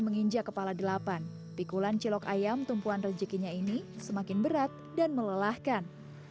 menginjak kepala delapan pikulan cilok ayam tumpuan rezekinya ini semakin berat dan melelahkan